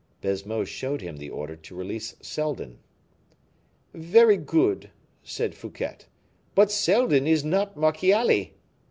Baisemeaux showed him the order to release Seldon. "Very good," said Fouquet; "but Seldon is not Marchiali."